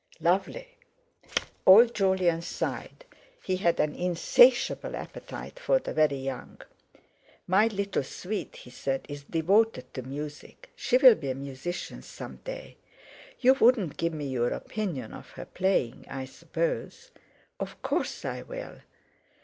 "Lovely!" Old Jolyon sighed; he had an insatiable appetite for the very young. "My little sweet," he said, "is devoted to music; she'll be a musician some day. You wouldn't give me your opinion of her playing, I suppose?" "Of course I will."